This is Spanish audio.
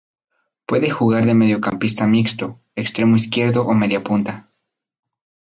Puede jugar de mediocampista mixto, extremo izquierdo o mediapunta.